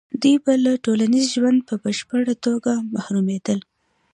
دوی به له ټولنیز ژونده په بشپړه توګه محرومېدل.